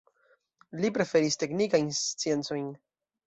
Li preferis teknikajn sciencojn.